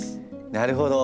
なるほど。